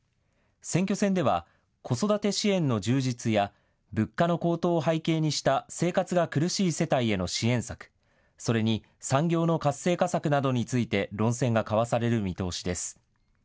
選挙戦では子育て支援の充実や物価の高騰を背景にした生活が苦しい世帯への支援策、それに産業の活性化策などについて論戦が交わされる見通しです。